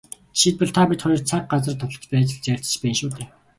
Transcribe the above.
Жишээлбэл, та бид хоёр цаг, газар товлож байж л ярилцаж байна шүү дээ.